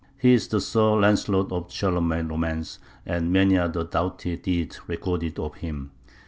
He is the Sir Launcelot of the Charlemagne romance, and many are the doughty deeds recorded of him.